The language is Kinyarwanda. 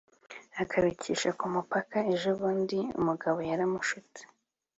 akabicisha kumupaka, ejo bundi umugabo yaramushutse